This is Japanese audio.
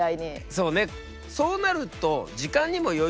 そうね